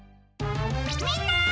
みんな！